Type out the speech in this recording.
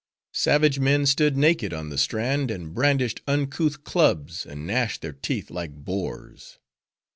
Savage men stood naked on the strand, and brandished uncouth clubs, and gnashed their teeth like boars.